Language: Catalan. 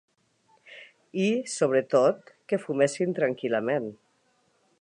I, sobretot, que fumessin tranquil·lament.